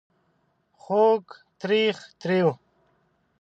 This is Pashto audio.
خوږ .. تریخ ... تریو ...